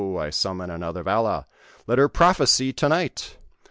I summon another Vala let her prophesy to night.